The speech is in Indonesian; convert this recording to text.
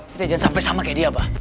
kita jangan sampai sama kayak dia bah